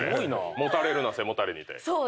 もたれるな背もたれにって。